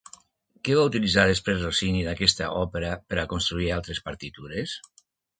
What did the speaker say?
Què va utilitzar després Rossini d'aquesta òpera per a construir altres partitures?